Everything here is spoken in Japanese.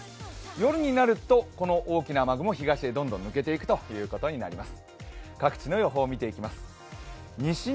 夜になると、この大きな雨雲東へどんどん抜けていくということになります。